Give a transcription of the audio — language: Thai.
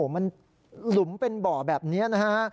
มันหลุมเป็นบ่อแบบนี้นะฮะ